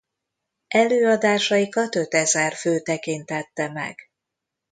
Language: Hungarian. Előadásaikat ötezer fő tekintette meg.